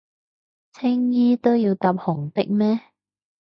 青衣都要搭紅的咩？